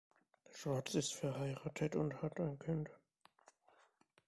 Schwarz ist verheiratet und hat ein Kind.